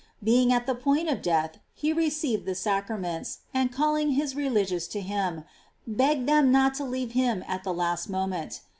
Being at the point of death, he received the sacraments, and calling his religious to him, begged them not to leave him at the last mo ment.